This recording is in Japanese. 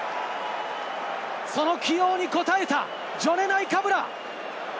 その起用に応えたジョネ・ナイカブラ！